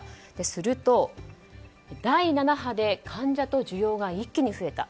すると第７波で患者と需要が一気に増えた。